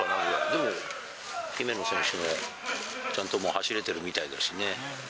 でも、姫野選手もちゃんともう走れてるみたいだしね。